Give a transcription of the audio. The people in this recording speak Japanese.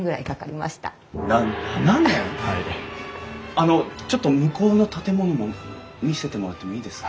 あのちょっと向こうの建物も見せてもらってもいいですか？